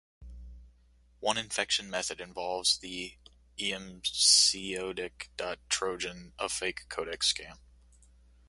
One infection method involves the Emcodec.E trojan, a fake codec scam.